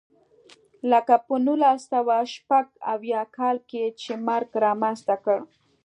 لکه په نولس سوه شپږ اویا کال کې چې مرګ رامنځته کړه.